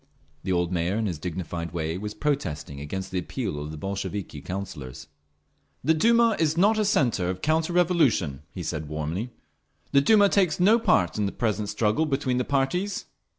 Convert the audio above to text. The old Mayor, in his dignified way, was protesting against the Appeal of the Bolshevik Councillors. "The Duma is not a centre of counter revolution," he said, warmly. "The Duma takes no part in the present struggle between the parties.